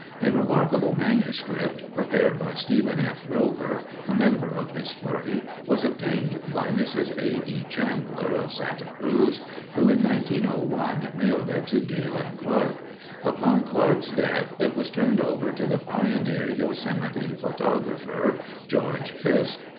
A remarkable manuscript, prepared by Stephen F. Grover, a member of this party, was obtained by Mrs. A. E. Chandler, of Santa Cruz, who in 1901 mailed it to Galen Clark. Upon Clark's death it was turned over to the pioneer Yosemite photographer, George Fiske.